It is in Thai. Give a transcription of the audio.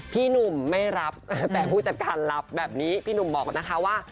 พี่หนุ่มไม่รับแต่ผู้จัดการรับแบบนี้พี่หนุ่มบอกนะคะว่า